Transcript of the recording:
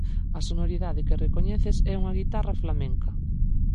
A sonoridade que recoñeces é unha guitarra flamenca.